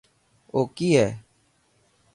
او ڪي هي.